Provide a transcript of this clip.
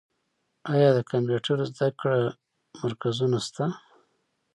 آیا د کمپیوټر زده کړې مرکزونه شته؟